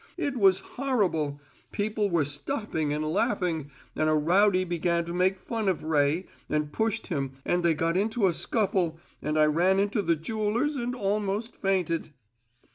"It was horrible! People were stopping and laughing, and a rowdy began to make fun of Ray, and pushed him, and they got into a scuffle, and I ran into the jeweller's and almost fainted."